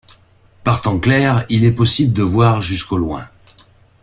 Par temps clair, il est possible de voir jusqu'à au loin.